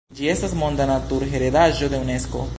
Ĝi estas Monda Naturheredaĵo de Unesko.